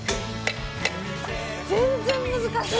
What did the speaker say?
全然難しい！